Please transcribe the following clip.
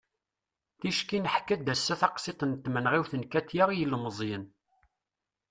ticki neḥka-d ass-a taqsiḍt n tmenɣiwt n katia i yilmeẓyen